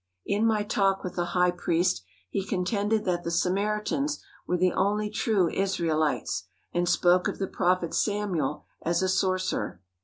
In my talk with the high priest he contended that the Samaritans were the only true Israelites, and spoke of the prophet Samuel as a sorcerer.